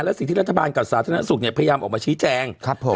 และสิ่งที่รัฐบาลกับสาธารณสุขเนี่ยพยายามออกมาชี้แจงครับผม